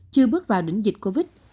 chưa bước vào đỉnh dịch covid